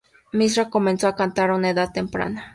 Mishra comenzó a cantar a una edad temprana.